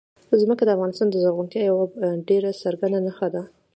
ځمکه د افغانستان د زرغونتیا یوه ډېره څرګنده نښه ده.